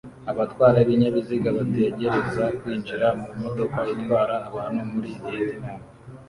Abatwara ibinyabiziga bategereza kwinjira mu modoka itwara abantu muri Vietnam